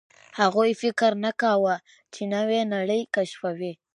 هغوی فکر نه کاوه، چې نوې نړۍ کشفوي.